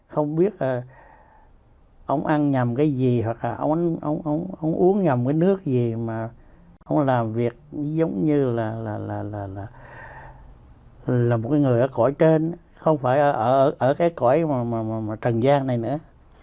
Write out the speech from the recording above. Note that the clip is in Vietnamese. không biết là ông ăn nhầm cái gì hoặc là ông uống nhầm cái nước gì mà ông làm việc giống như là là là là là là một người ở cõi trên không phải ở ở ở cái cõi mà mà mà mà trần giang này nữa